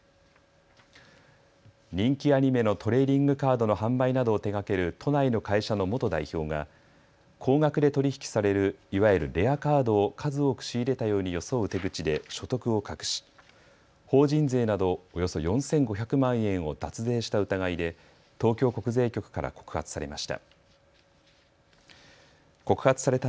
人気アニメのトレーディングカードの販売などを手がける都内の会社の元代表が高額で取り引きされるいわゆるレアカードを数多く仕入れたように装う手口で所得を隠し法人税などおよそ４５００万円を脱税した疑いで東京国税局から告発されました。